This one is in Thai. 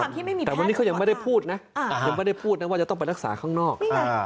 แต่วันนี้เขายังไม่ได้พูดนะว่าจะต้องไปรักษาข้างนอก